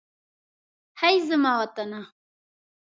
هئ! زما وطنه.